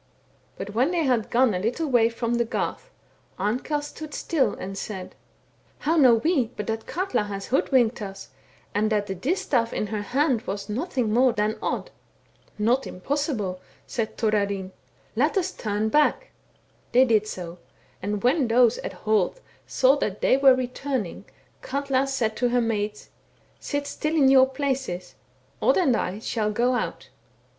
But when they had gone a httle way from the garth, Amkell stood still and said :* How know we but that Katla has hoodwinked us, and that the distaif in her hand was nothing more than Odd.' * Not impossible !' said Thorarinn ;* let us turn back.* They did so ; and when those at Holt saw that they were returning, Katla said to her maids, * Sit still in your places, Odd and I shall go out.'